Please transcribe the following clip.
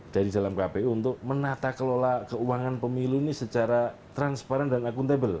dari dalam kpu untuk menata kelola keuangan pemilu ini secara transparan dan akuntabel